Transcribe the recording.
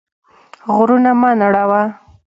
غرونه مه نړوه.